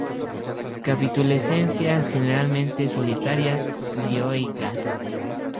Capitulescencias generalmente solitarias, dioicas.